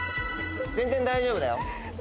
全然大丈夫だよ。